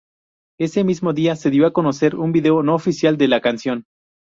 Ese mismo día se dio a conocer un video no oficial de la canción.